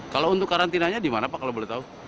kalau untuk karantinanya di mana pak kalau boleh tahu